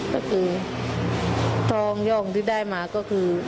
ก็คือทองย่องที่ได้มาก็คือ